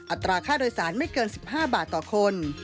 อัตราค่าโดยสารไม่เกิน๑๕บาทต่อคน